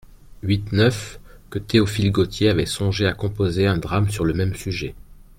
huit-neuf), que Théophile Gautier avait songé à composer un drame sur le même sujet.